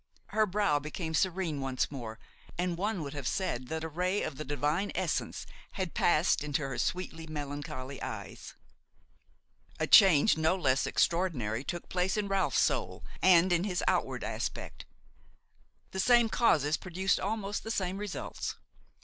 Her brow became serene once more, and one would have said that a ray of the Divine essence had passed into her sweetly melancholy eyes. A change no less extraordinary took place in Ralph's soul and in his outward aspect; the same causes produced almost the same results.